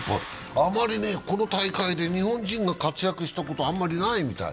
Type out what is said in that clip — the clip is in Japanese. あまりこの大会で日本人が活躍したことはあまりないみたい。